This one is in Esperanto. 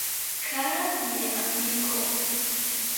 Kara mia amiko!